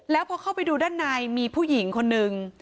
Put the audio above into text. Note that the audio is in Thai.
แล้วพอเข้าไปดูด้านในมีผู้หญิงคนนึง